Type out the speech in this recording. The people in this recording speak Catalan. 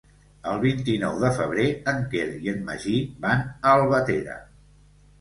El vint-i-nou de febrer en Quer i en Magí van a Albatera.